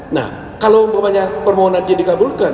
nah kalau umpamanya permohonan dia dikabulkan